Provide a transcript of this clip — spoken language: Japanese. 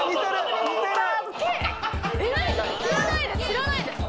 知らないです